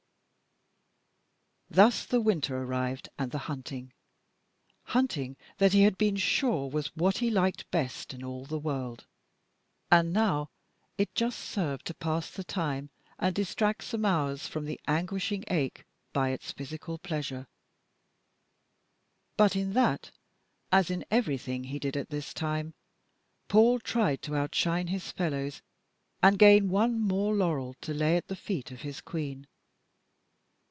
Thus the winter arrived, and the hunting hunting that he had been sure was what he liked best in all the world. And now it just served to pass the time and distract some hours from the anguishing ache by its physical pleasure. But in that, as in everything he did at this time, Paul tried to outshine his fellows, and gain one more laurel to lay at the feet of his Queen.